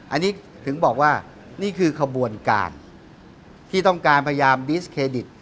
อันนี้ถึงบอกว่านี่คือขบวนการที่ต้องการพยายามดิสเครดิต